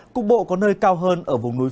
cục bộ có nơi cao hơn ở vùng núi